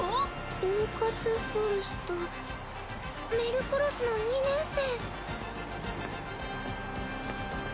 ルーカス＝フォルストメルクロスの２年生